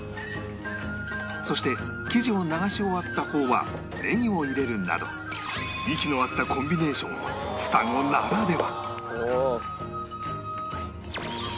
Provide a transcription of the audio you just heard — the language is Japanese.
そして生地を流し終わった方はネギを入れるなど息の合ったコンビネーションは双子ならでは